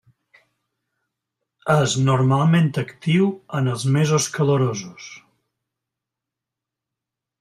És normalment actiu en els mesos calorosos.